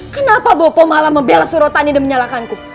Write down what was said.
kenapa bopo malah membela surutannya dan menyalahkanku